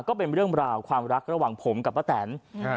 ก็เป็นเรื่องราวความรักระหว่างผมกับป้าแตนอ่า